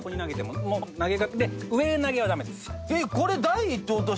上投げはダメです。